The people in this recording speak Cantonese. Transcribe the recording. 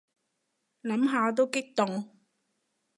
諗下都激動